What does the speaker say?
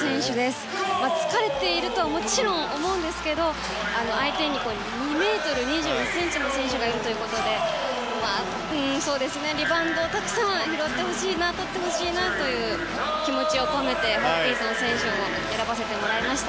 もちろん疲れているとは思うんですが相手に２ｍ２１ｃｍの選手がいるということでリバウンドをたくさん拾ってほしいとってほしいという気持ちを込めてホーキンソン選手を選ばせてもらいました。